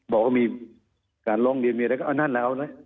บอกว่ามีการลองเรียนเมียแล้วก็เอานั่นล่ะเอานั่น